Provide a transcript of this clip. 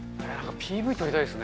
ＰＶ撮りたいですね。